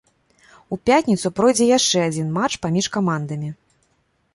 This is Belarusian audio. У пятніцу пройдзе яшчэ адзін матч паміж камандамі.